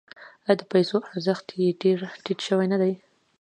آیا د پیسو ارزښت یې ډیر ټیټ شوی نه دی؟